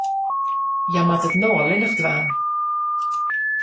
Hja moat it no allinnich dwaan.